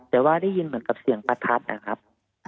แต่ว่าได้ยินเหมือนกับเสียงประทัดนะครับ